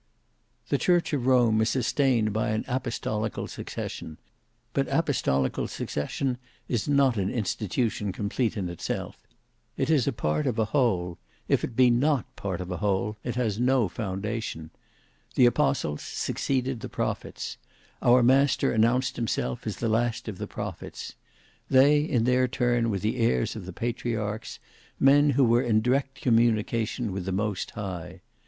The church of Rome is sustained by apostolical succession; but apostolical succession is not an institution complete in itself; it is a part of a whole; if it be not part of a whole it has no foundation. The apostles succeeded the prophets. Our Master announced himself as the last of the prophets. They in their turn were the heirs of the patriarchs: men who were in direct communication with the Most High.